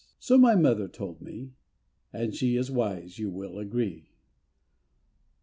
So my mother told to me, And she is wise you will agree.